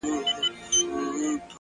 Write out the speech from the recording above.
صبر د بریا د پخېدو وخت دی؛